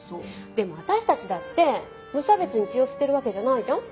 でも私たちだって無差別に血を吸ってるわけじゃないじゃん？